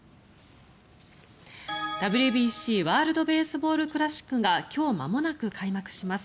ＷＢＣ＝ワールド・ベースボール・クラシックが今日、まもなく開幕します。